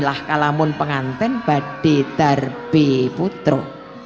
lah kalamun penganten badi darbi putro